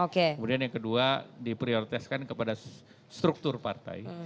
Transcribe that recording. kemudian yang kedua diprioritaskan kepada struktur partai